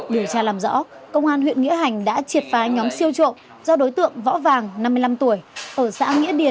điều tra làm rõ công an huyện nghĩa hành đã triệt phá nhóm siêu trộm do đối tượng võ vàng năm mươi năm tuổi